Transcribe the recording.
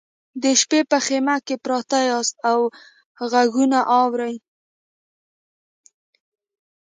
د شپې په خیمه کې پراته یاست او غږونه اورئ